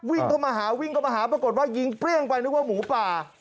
วิ่งเข้ามาหาวิ่งเข้ามาหาปรากฏว่ายิงเปรี้ยงไปนึกว่าหมูป่า